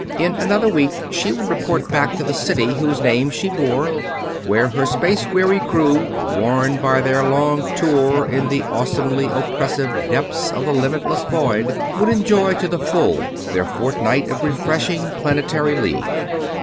In another week she would report back to the city whose name she bore, where her space weary crew, worn by their long "tour" in the awesomely oppressive depths of the limitless void, would enjoy to the full their fortnight of refreshing planetary leave.